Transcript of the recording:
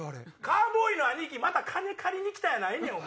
「カーボウイの兄貴また金借りに来た」やないねん！